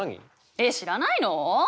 えっ知らないの？